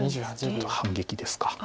ちょっと反撃ですか。